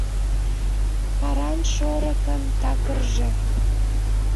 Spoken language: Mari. Паран шорыкын такырже.